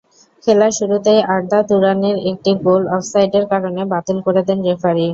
খেলার শুরুতেই আরদা তুরানের একটি গোল অফসাইডের কারণে বাতিল করে দেন রেফারি।